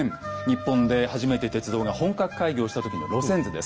日本で初めて鉄道が本格開業した時の路線図です。